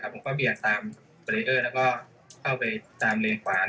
ผมก็เบียดตามเฟรีเดอร์แล้วก็เข้าไปตามเลนขวา